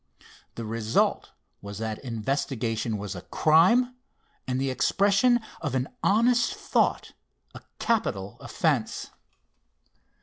The result was that investigation was a crime, and the expression of an honest thought a capital offence.